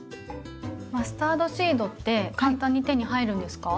マスタードシードって簡単に手に入るんですか？